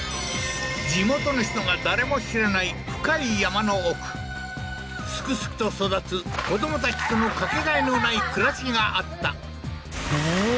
地元の人が誰も知らないすくすくと育つ子供たちとのかけがえのない暮らしがあったうわ